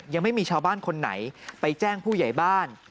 ยังไม่มีชาวบ้านคนไหนไปแจ้งผู้ใหญ่บ้าน